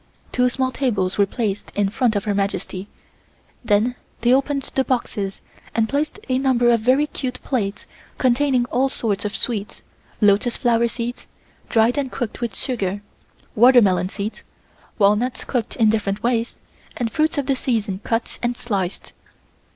Two small tables were placed in front of Her Majesty, then they opened the boxes and placed a number of very cute plates containing all sorts of sweets, lotus flower seeds, dried and cooked with sugar, watermelon seeds, walnuts cooked in different ways, and fruits of the season cut and sliced.